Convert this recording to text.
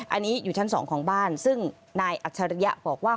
อันนี้อยู่ชั้น๒ของบ้านซึ่งนายอัจฉริยะบอกว่า